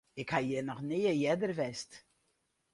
Ik ha hjir noch nea earder west.